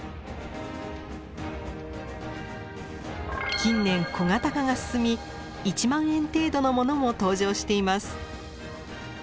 近年小型化が進み１万円程度のものも登場しています。